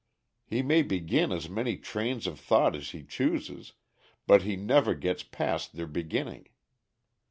He may begin as many trains of thought as he chooses, but he never gets past their beginning.